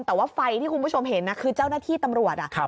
แต่ว่าไฟที่คุณผู้ชมเห็นคือเจ้าหน้าที่ตำรวจ